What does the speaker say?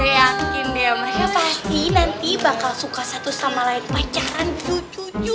gue yakin dia mereka pasti nanti bakal suka satu sama lain pacaran cucu cucu